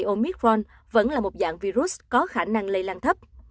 omitron vẫn là một dạng virus có khả năng lây lan thấp